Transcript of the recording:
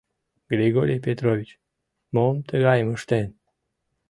Григорий Петрович мом тыгайым ыштен?»